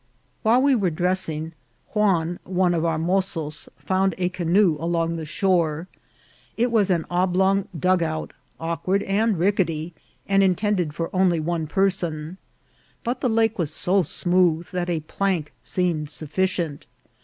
While we were dressing, Juan, one of our mozos, found a canoe along the shore. It was an oblong " dug out," awkward and rickety, and intended for only one person ; but the lake was so smooth that a plank seem ed sufficient.